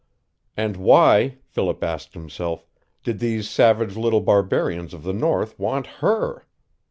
And why, Philip asked himself, did these savage little barbarians of the north want HER?